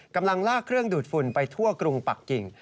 กำลังลากเครื่องดูดฝุ่นไปทั่วกรุงปักกิ่ง